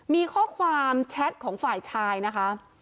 มีข้อความแชทของฝ่ายชายนะคะ